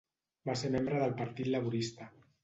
Va ser membre del Partit Laborista.